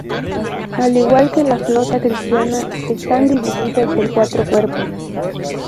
Al igual que la flota cristiana, están divididos en cuatro cuerpos.